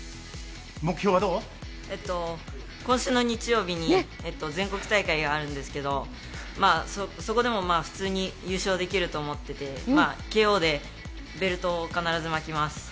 今週の日曜日に全国大会があるんですけどそこでも普通に優勝できると思っててＫＯでベルトを必ず巻きます。